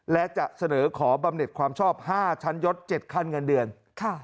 และจะเสนอขอบำเน็ตความชอบห้าชั้นยดเจ็ดคันเงินเดือนค่ะ